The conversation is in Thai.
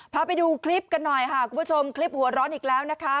พาไปดูคลิปกันหน่อยค่ะคุณผู้ชมคลิปหัวร้อนอีกแล้วนะคะ